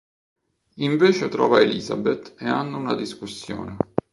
Invece trova Elizabeth e hanno una discussione.